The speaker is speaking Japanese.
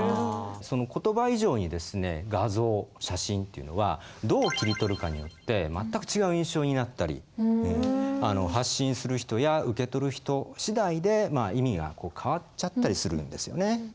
言葉以上にですね画像写真っていうのはどう切り取るかによって全く違う印象になったり発信する人や受け取る人しだいで意味が変わっちゃったりするんですよね。